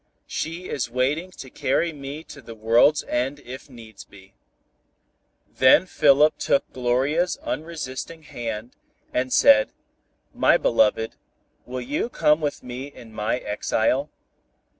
She is waiting to carry me to the world's end if needs be." Then Philip took Gloria's unresisting hand, and said, "My beloved, will you come with me in my exile?